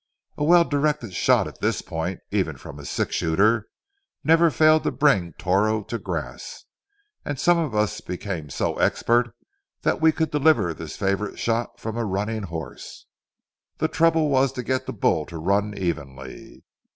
A well directed shot at this point, even from a six shooter, never failed to bring Toro to grass; and some of us became so expert that we could deliver this favorite shot from a running horse. The trouble was to get the bull to run evenly.